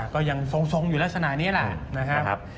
ก็ยังทรงอยู่ลักษณะนี้แหละนะครับ